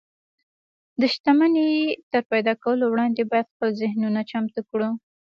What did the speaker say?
د شتمنۍ تر پيدا کولو وړاندې بايد خپل ذهنونه چمتو کړو.